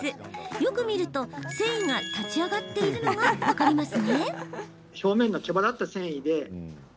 よく見ると繊維が立ち上がっているのが分かります。